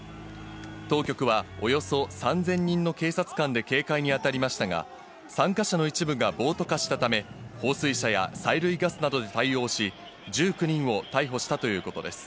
当局はおよそ３０００人の警察官で警戒にあたりましたが、参加者の一部が暴徒化したため、放水車や催涙ガスなどで対応し、１９人を逮捕したということです。